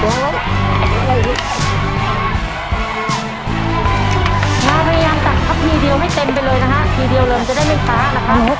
แต่แม่งตัดครับทีเดียวให้เต็มไปเลยนะคะทีเดียวเริ่มจะได้ไม่ค้านะคะ